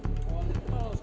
bu ibu apanya pak sambu